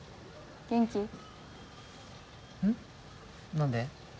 何で？